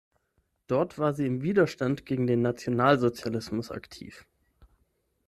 Dort war sie im Widerstand gegen den Nationalsozialismus aktiv.